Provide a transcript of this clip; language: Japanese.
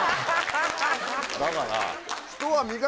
だから。